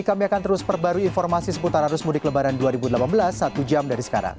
kami akan terus perbarui informasi seputar arus mudik lebaran dua ribu delapan belas satu jam dari sekarang